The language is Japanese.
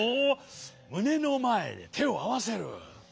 むねのまえでてをあわせる。